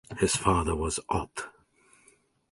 His father was Oth.